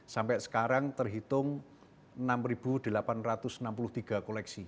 sampai sekarang terhitung enam delapan ratus enam puluh tiga koleksi